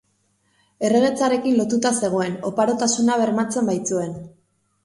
Erregetzarekin lotuta zegoen, oparotasuna bermatzen baitzuen.